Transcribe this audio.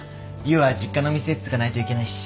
優は実家の店継がないといけないし。